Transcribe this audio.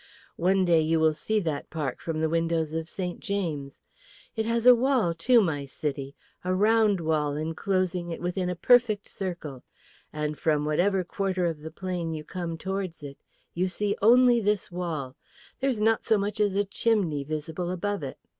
One day you will see that park from the windows of St. James. It has a wall too, my city, a round wall enclosing it within a perfect circle; and from whatever quarter of the plain you come towards it, you only see this wall, there's not so much as a chimney visible above it.